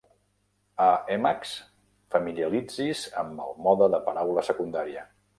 A Emacs, familiaritzi's amb el mode de paraula secundària.